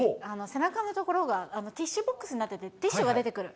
背中のところがティッシュボックスになってて、ティッシュが出てくる。